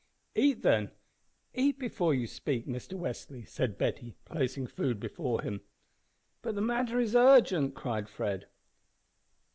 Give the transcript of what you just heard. "Eat, then eat before you speak, Mr Westly," said Betty, placing food before him. "But the matter is urgent!" cried Fred.